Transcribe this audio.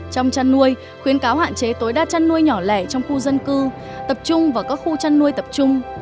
trong chăn nuôi khuyến cáo hạn chế tối đa chăn nuôi nhỏ lẻ trong khu dân cư tập trung vào các khu chăn nuôi tập trung